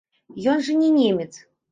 Ён жа не немец!